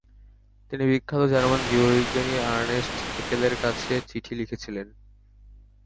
তিনি বিখ্যাত জার্মান জীববিজ্ঞানী আর্নেস্ট হেকেলের কাছে চিঠি লিখেছিলেন।